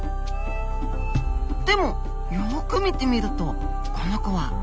でもよく見てみるとこの子は線が５本。